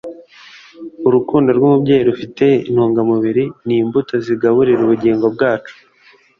urukundo rw'umubyeyi rufite intungamubiri; ni imbuto zigaburira ubugingo bwacu.